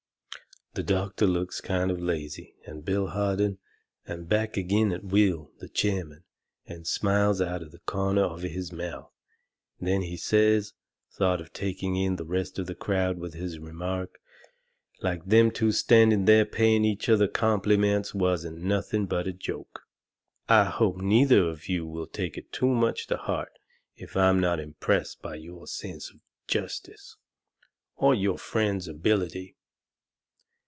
The doctor looks kind of lazy and Bill Harden, and back agin at Will, the chairman, and smiles out of the corner of his mouth. Then he says, sort of taking in the rest of the crowd with his remark, like them two standing there paying each other compliments wasn't nothing but a joke: "I hope neither of you will take it too much to heart if I'm not impressed by your sense of justice or your friend's ability."